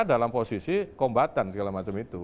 dalam posisi kombatan segala macam itu